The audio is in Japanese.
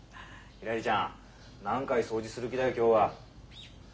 ひらりちゃん何回掃除する気だよ今日は。